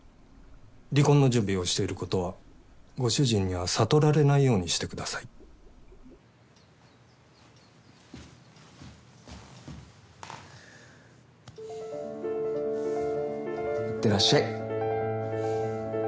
離婚の準備をしていることはご主人には悟られないようにしてくださいいってらっしゃい。